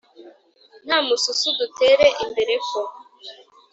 Nta mususu dutere imbere ko,